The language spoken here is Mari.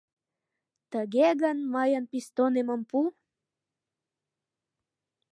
Тыге гын, мыйын пистонемым пу!